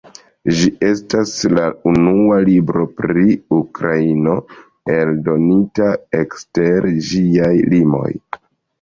Ĝi estas la unua libro pri Ukrainio, eldonita ekster ĝiaj limoj.